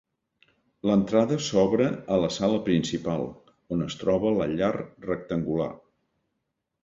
L'entrada s'obre a la sala principal, on es troba la llar rectangular.